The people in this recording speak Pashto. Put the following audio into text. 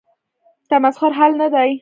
تمسخر حل نه دی.